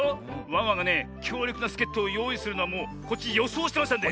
ワンワンがねきょうりょくなすけっとをよういするのはもうこっちよそうしてましたんで。